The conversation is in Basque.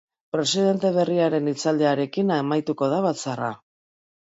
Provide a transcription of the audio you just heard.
Presidente berriaren hitzaldiarekin amaituko da batzarra.